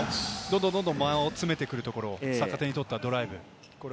どんどん、どんどん間を詰めてくるところを逆手に取ったドライブ。